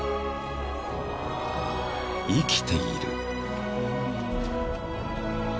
［生きている］